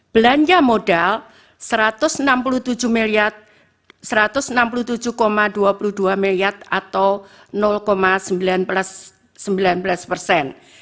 belanja modal rp satu ratus enam puluh tujuh dua ratus dua puluh dua atau lima puluh persen